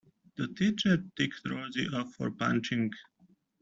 The teacher ticked Rosie off for punching.